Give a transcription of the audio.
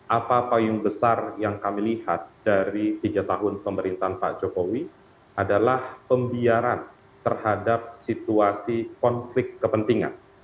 apa payung besar yang kami lihat dari tiga tahun pemerintahan pak jokowi adalah pembiaran terhadap situasi konflik kepentingan